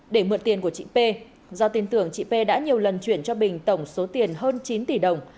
để mượn tiền của chị p do tin tưởng chị p đã nhiều lần chuyển cho bình tổng số tiền hơn chín tỷ đồng